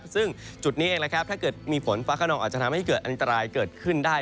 ซึ่งจุดนี้เองนะครับถ้าเกิดมีฝนฟ้าขนองอาจจะทำให้เกิดอันตรายเกิดขึ้นได้